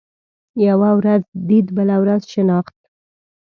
يوه ورځ ديد ، بله ورځ شناخت.